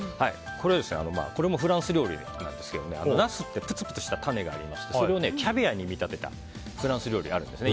これもフランス料理なんですがナスってぷつぷつした種がありましてそれをキャビアに見立てたフランス料理があるんですね。